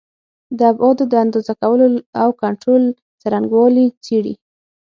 د ابعادو د اندازه کولو او کنټرول څرنګوالي څېړي.